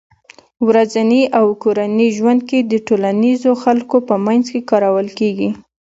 ورځني او کورني ژوند کې د ټولنيزو خلکو په منځ کې کارول کېږي